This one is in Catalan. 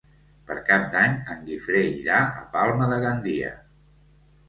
Per Cap d'Any en Guifré irà a Palma de Gandia.